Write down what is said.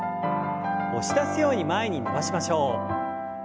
押し出すように前に伸ばしましょう。